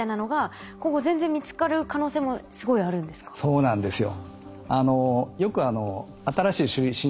そうなんですよ。